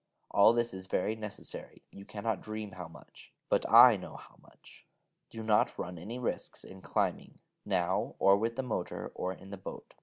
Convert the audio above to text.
All this is very necessary: you cannot dream how much: but I know how much. Do not run any risks in climbing, now, or with the motor, or in the boat ...